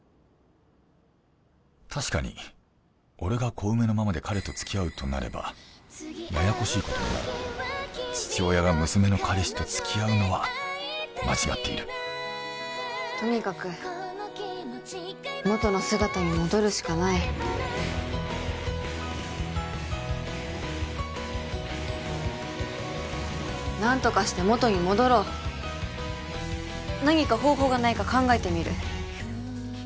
確かに俺が小梅のままで彼と付き合うとなればややこしいことになる父親が娘の彼氏と付き合うのは間違っているとにかく元の姿に戻るしかない何とかして元に戻ろう何か方法がないか考えてみる